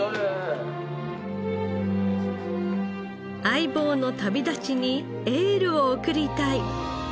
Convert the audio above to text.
相棒の旅立ちにエールを送りたい。